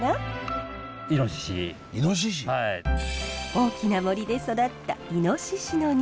大きな森で育ったイノシシの肉。